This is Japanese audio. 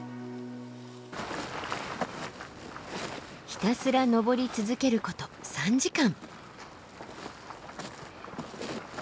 ひたすら登り続けること３時間。